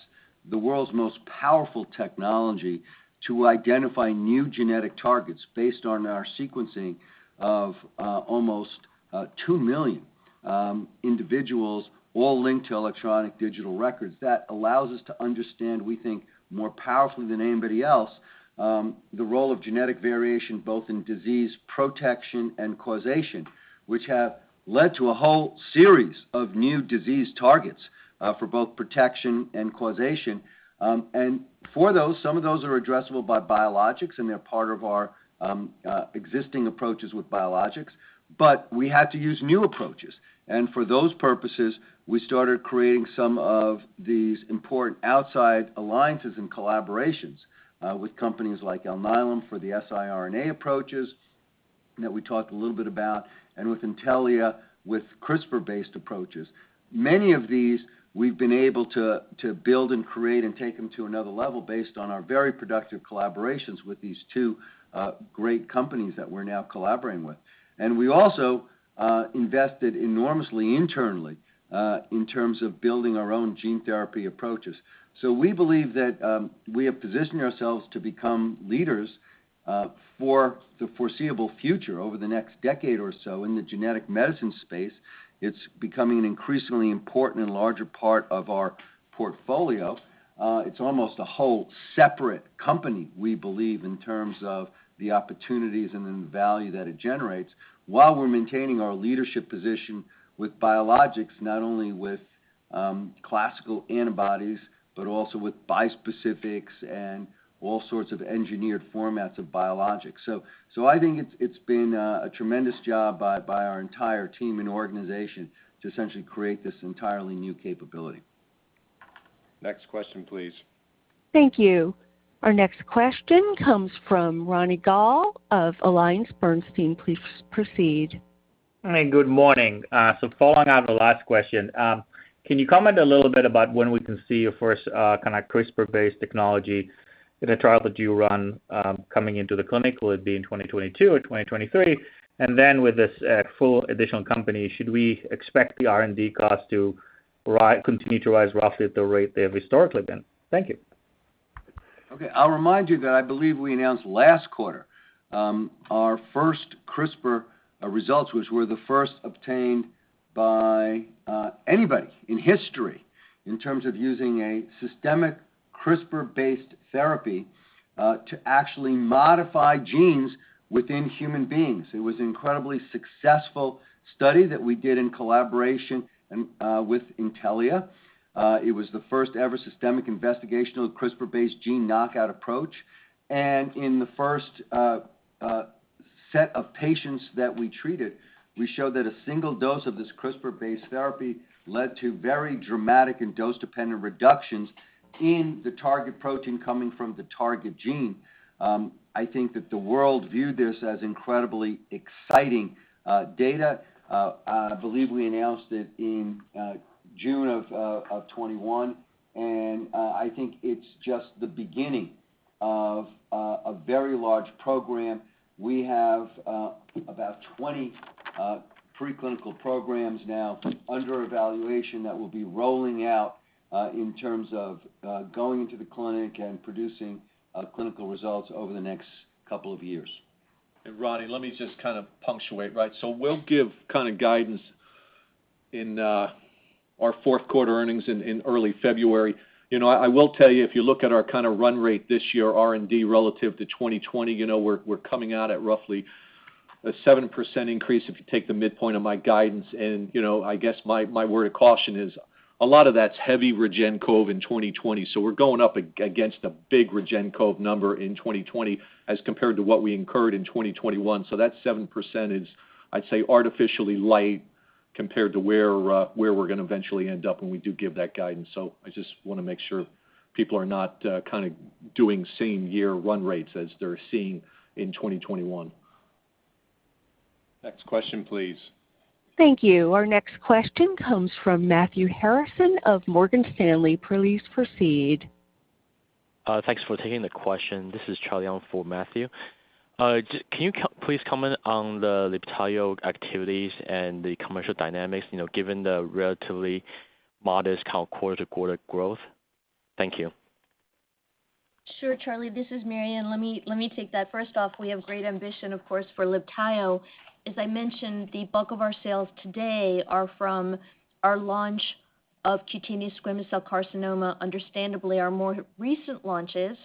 the world's most powerful technology to identify new genetic targets based on our sequencing of almost 2 million individuals all linked to electronic digital records. That allows us to understand, we think, more powerfully than anybody else, the role of genetic variation both in disease protection and causation, which have led to a whole series of new disease targets for both protection and causation. For those, some of those are addressable by biologics, and they're part of our existing approaches with biologics, but we had to use new approaches. For those purposes, we started creating some of these important outside alliances and collaborations with companies like Alnylam for the siRNA approaches that we talked a little bit about, and with Intellia with CRISPR-based approaches. Many of these we've been able to build and create and take them to another level based on our very productive collaborations with these two great companies that we're now collaborating with. We also invested enormously internally in terms of building our own gene therapy approaches. We believe that we have positioned ourselves to become leaders for the foreseeable future over the next decade or so in the genetic medicine space. It's becoming an increasingly important and larger part of our portfolio. It's almost a whole separate company, we believe, in terms of the opportunities and then the value that it generates while we're maintaining our leadership position with biologics, not only with classical antibodies, but also with bispecifics and all sorts of engineered formats of biologics. I think it's been a tremendous job by our entire team and organization to essentially create this entirely new capability. Next question, please. Thank you. Our next question comes from Ronny Gal of AllianceBernstein. Please proceed. Hi, good morning. Following on the last question, can you comment a little bit about when we can see your first kind of CRISPR-based technology in a trial that you run, coming into the clinic? Will it be in 2022 or 2023? Then with this full additional company, should we expect the R&D cost to rise, continue to rise roughly at the rate they have historically been? Thank you. Okay. I'll remind you that I believe we announced last quarter our first CRISPR results, which were the first obtained by anybody in history in terms of using a systemic CRISPR-based therapy to actually modify genes within human beings. It was an incredibly successful study that we did in collaboration with Intellia. It was the first-ever systemic investigation of CRISPR-based gene knockout approach. In the first set of patients that we treated, we showed that a single dose of this CRISPR-based therapy led to very dramatic and dose-dependent reductions in the target protein coming from the target gene. I think that the world viewed this as incredibly exciting data. I believe we announced it in June of 2021, and I think it's just the beginning of a very large program. We have about 20 preclinical programs now under evaluation that will be rolling out in terms of going into the clinic and producing clinical results over the next couple of years. Ronny, let me just kind of punctuate, right? We'll give kind of guidance in our fourth quarter earnings in early February. You know, I will tell you, if you look at our kind of run rate this year, R&D relative to 2020, you know, we're coming out at roughly a 7% increase if you take the midpoint of my guidance. You know, I guess my word of caution is a lot of that's heavy REGEN-COV in 2020. We're going up against a big REGEN-COV number in 2020 as compared to what we incurred in 2021. That 7% is, I'd say, artificially light compared to where we're gonna eventually end up when we do give that guidance. I just wanna make sure people are not kinda doing same-year run rates as they're seeing in 2021. Next question, please. Thank you. Our next question comes from Matthew Harrison of Morgan Stanley. Please proceed. Thanks for taking the question. This is Charlie Yang for Matthew. Can you please comment on the LIBTAYO activities and the commercial dynamics, you know, given the relatively modest kind of quarter-to-quarter growth? Thank you. Sure, Charlie. This is Mary. Let me take that. First off, we have great ambition, of course, for LIBTAYO. As I mentioned, the bulk of our sales today are from our launch of cutaneous squamous cell carcinoma. Understandably, our more recent launches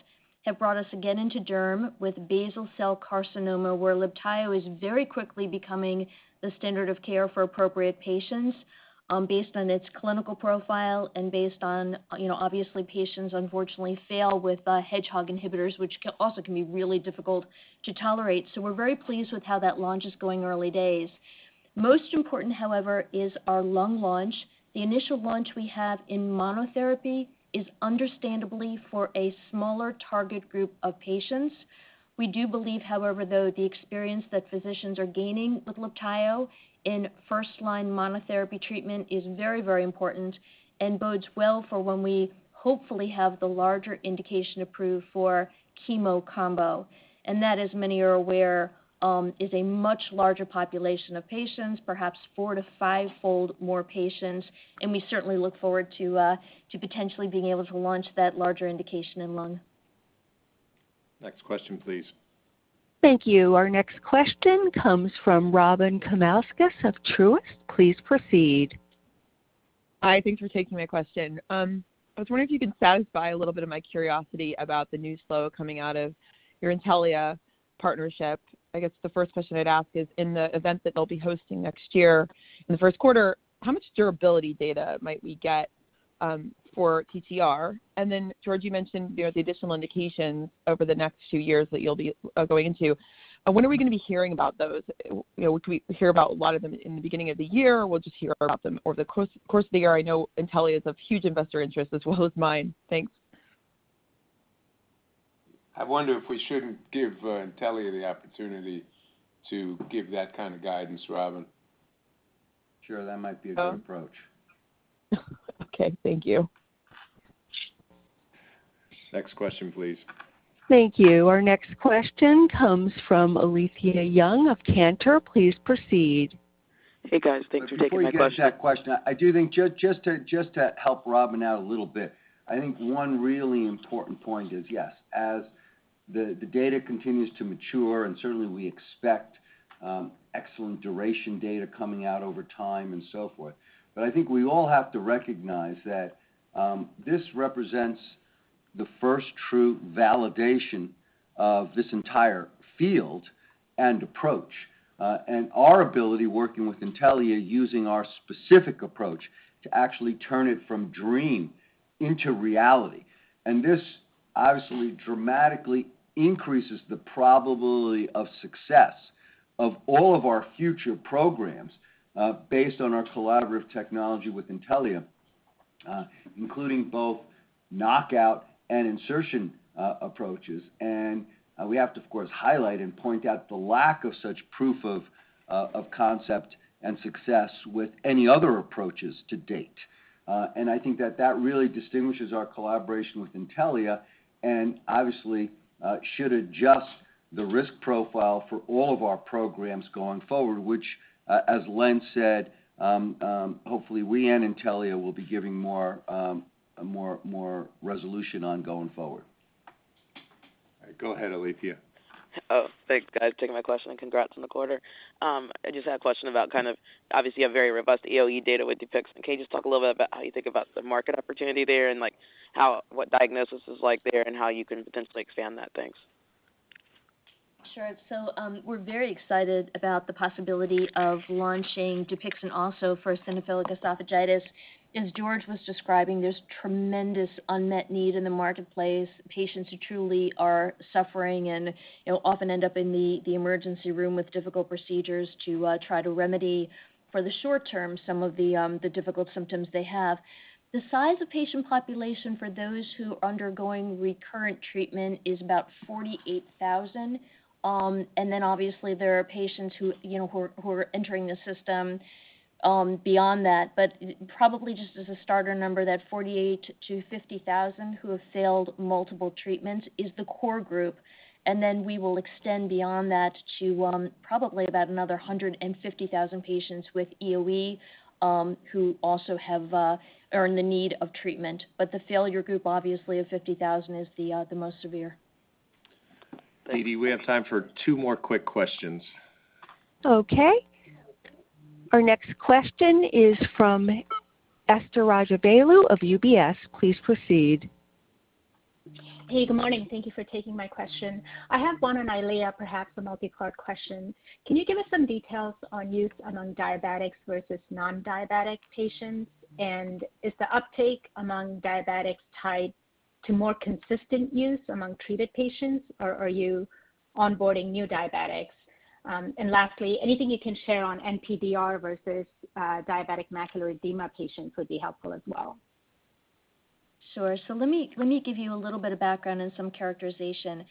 have brought us again into derm with basal cell carcinoma, where LIBTAYO is very quickly becoming the standard of care for appropriate patients, based on its clinical profile and based on, you know, obviously, patients unfortunately fail with the Hedgehog inhibitors, which also can be really difficult to tolerate. We're very pleased with how that launch is going early days. Most important, however, is our lung launch. The initial launch we have in monotherapy is understandably for a smaller target group of patients. We do believe, however, though, the experience that physicians are gaining with LIBTAYO in first-line monotherapy treatment is very, very important and bodes well for when we hopefully have the larger indication approved for chemo combo. That, as many are aware, is a much larger population of patients, perhaps four to five fold more patients. We certainly look forward to potentially being able to launch that larger indication in lung. Next question, please. Thank you. Our next question comes from Robyn Karnauskas of Truist Securities. Please proceed. Hi, thanks for taking my question. I was wondering if you could satisfy a little bit of my curiosity about the news flow coming out of your Intellia partnership. I guess the first question I'd ask is, in the event that they'll be dosing next year in the first quarter, how much durability data might we get for TTR? George, you mentioned, you know, the additional indications over the next few years that you'll be going into. When are we gonna be hearing about those? You know, would we hear about a lot of them in the beginning of the year, or we'll just hear about them over the course of the year? I know Intellia is of huge investor interest as well as mine. Thanks. I wonder if we shouldn't give Intellia the opportunity to give that kind of guidance, Robyn. Sure, that might be a good approach. Okay. Thank you. Next question, please. Thank you. Our next question comes from Alethia Young of Cantor Fitzgerald. Please proceed. Hey, guys. Thanks for taking my question. Before you get to that question, I do think just to help Robyn out a little bit, I think one really important point is, yes, as the data continues to mature, and certainly we expect excellent duration data coming out over time and so forth. I think we all have to recognize that this represents the first true validation of this entire field and approach, our ability working with Intellia using our specific approach to actually turn it from dream into reality. This obviously dramatically increases the probability of success of all of our future programs based on our collaborative technology with Intellia, including both knockout and insertion approaches. We have to, of course, highlight and point out the lack of such proof of concept and success with any other approaches to date. I think that really distinguishes our collaboration with Intellia, and obviously should adjust the risk profile for all of our programs going forward, which, as Len said, hopefully we and Intellia will be giving more resolution on going forward. All right. Go ahead, Alethea. Oh, thanks guys for taking my question, and congrats on the quarter. I just had a question about kind of obviously a very robust EoE data with DUPIXENT. Can you just talk a little bit about how you think about the market opportunity there and like, how, what diagnosis is like there, and how you can potentially expand that? Thanks. Sure. We're very excited about the possibility of launching DUPIXENT also for eosinophilic esophagitis. As George was describing, there's tremendous unmet need in the marketplace, patients who truly are suffering and, you know, often end up in the emergency room with difficult procedures to try to remedy for the short term, some of the difficult symptoms they have. The size of patient population for those who are undergoing recurrent treatment is about 48,000. Obviously there are patients who, you know, who are entering the system beyond that. Probably just as a starter number that 48,000-50,000 who have failed multiple treatments is the core group. We will extend beyond that to probably about another 150,000 patients with EoE who also are in the need of treatment. The failure group obviously of 50,000 is the most severe. Didi, we have time for two more quick questions. Okay. Our next question is from Esther Rajavelu of UBS. Please proceed. Hey, good morning. Thank you for taking my question. I have one on EYLEA, perhaps a multi-part question. Can you give us some details on use among diabetics versus non-diabetic patients? Is the uptake among diabetics tied to more consistent use among treated patients, or are you onboarding new diabetics? Lastly, anything you can share on NPDR versus diabetic macular edema patients would be helpful as well. Sure. Let me give you a little bit of background and some characterization.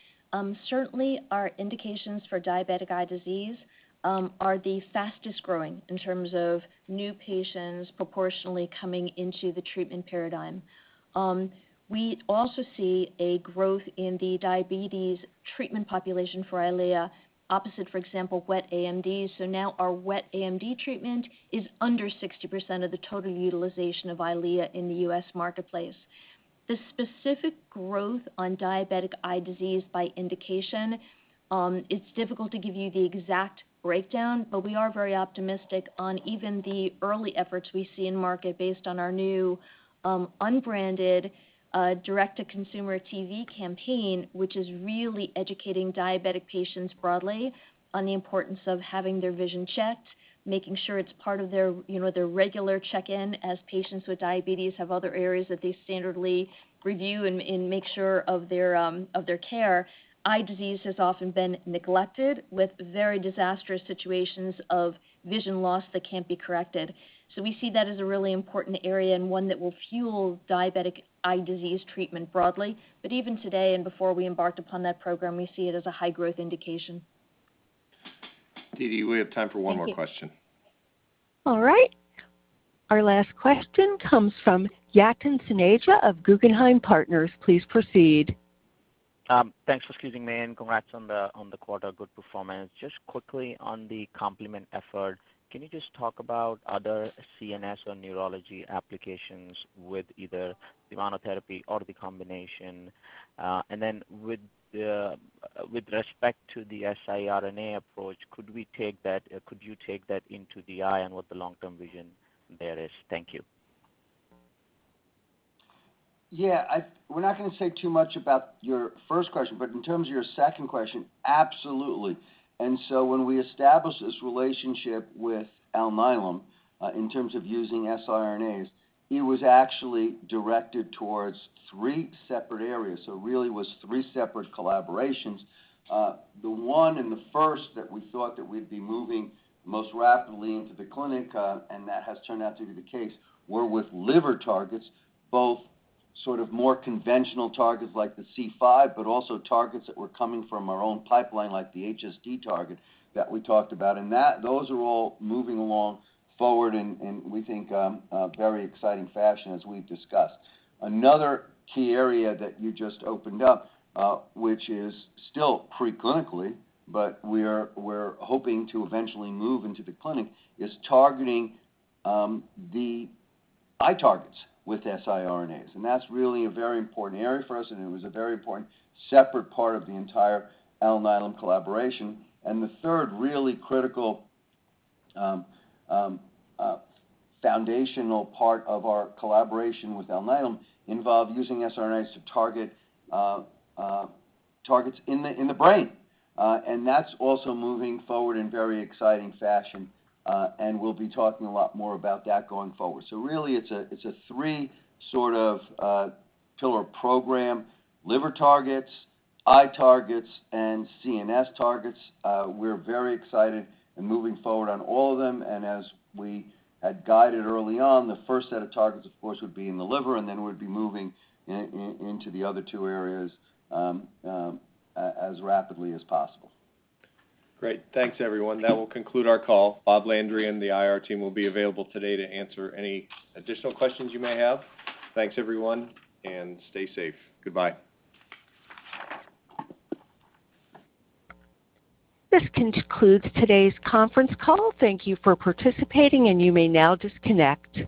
Certainly our indications for diabetic eye disease are the fastest-growing in terms of new patients proportionally coming into the treatment paradigm. We also see a growth in the diabetes treatment population for EYLEA as opposed to, for example, wet AMD. Now our wet AMD treatment is under 60% of the total utilization of EYLEA in the U.S. marketplace. The specific growth on diabetic eye disease by indication, it's difficult to give you the exact breakdown, but we are very optimistic on even the early efforts we see in market based on our new, unbranded, direct to consumer TV campaign, which is really educating diabetic patients broadly on the importance of having their vision checked, making sure it's part of their, you know, their regular check-in as patients with diabetes have other areas that they standardly review and make sure of their, of their care. Eye disease has often been neglected with very disastrous situations of vision loss that can't be corrected. We see that as a really important area and one that will fuel diabetic eye disease treatment broadly. Even today and before we embarked upon that program, we see it as a high-growth indication. Didi, we have time for one more question. All right. Our last question comes from Yatin Suneja of Guggenheim Partners. Please proceed. Thanks for squeezing me in. Congrats on the quarter. Good performance. Just quickly on the complement effort, can you just talk about other CNS or neurology applications with either the monotherapy or the combination? And then with respect to the siRNA approach, could you take that into the eye and what the long-term vision there is? Thank you. Yeah, we're not gonna say too much about your first question, but in terms of your second question, absolutely. When we established this relationship with Alnylam, in terms of using siRNAs, it was actually directed towards three separate areas. Really, it was three separate collaborations. The one and the first that we thought that we'd be moving most rapidly into the clinic, and that has turned out to be the case, were with liver targets, both sort of more conventional targets like the C5, but also targets that were coming from our own pipeline, like the HSD target that we talked about. That, those are all moving along forward in we think a very exciting fashion as we've discussed. Another key area that you just opened up, which is still pre-clinically, but we're hoping to eventually move into the clinic, is targeting the eye targets with siRNAs. That's really a very important area for us, and it was a very important separate part of the entire Alnylam collaboration. The third really critical foundational part of our collaboration with Alnylam involved using siRNAs to target targets in the brain. That's also moving forward in very exciting fashion, and we'll be talking a lot more about that going forward. Really it's a three sort of pillar program, liver targets, eye targets, and CNS targets. We're very excited and moving forward on all of them. As we had guided early on, the first set of targets, of course, would be in the liver, and then we'd be moving into the other two areas as rapidly as possible. Great. Thanks, everyone. That will conclude our call. Bob Landry and the IR team will be available today to answer any additional questions you may have. Thanks, everyone, and stay safe. Goodbye. This concludes today's conference call. Thank you for participating, and you may now disconnect.